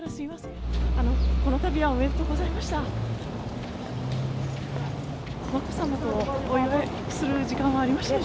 このたびはおめでとうございました。